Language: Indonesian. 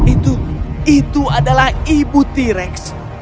itu itu adalah ibu t rex